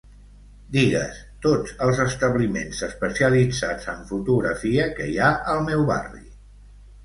Digues tots els establiments especialitzats en fotografia que hi ha al meu barri.